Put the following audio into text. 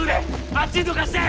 あっちにどかして。